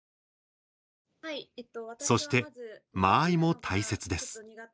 そして、間合いも大切です。